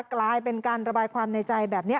กลายเป็นการระบายความในใจแบบนี้